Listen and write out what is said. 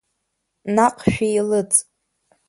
Наҟ шәеилыҵ!